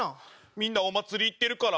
みんなお祭り行ってるから。